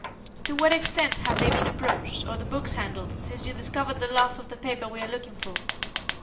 To what extent have they been approached, or the books handled, since you discovered the loss of the paper we are looking for?"